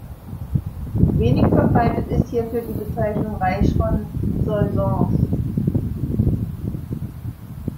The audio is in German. Wenig verbreitet ist hierfür die Bezeichnung "Reich von Soissons".